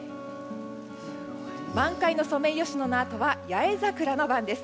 満開のソメイヨシノのあとはヤエザクラの番です。